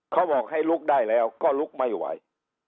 เขาบอกให้ลุกได้แล้วก็ลุกไม่ไหว